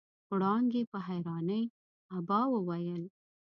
وړانګې په حيرانۍ ابا وويل.